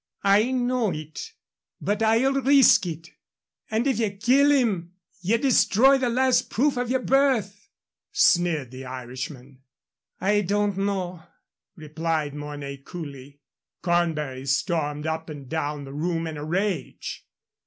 "I know it, but I'll risk it." "And if ye kill him ye destroy the last proof of yer birth," sneered the Irishman. "I don't know," replied Mornay, coolly. Cornbury stormed up and down the room in a rage.